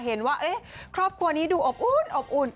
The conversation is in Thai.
เห็นว่าครอบครัวนี้ดูอบอุ่นอบอุ่น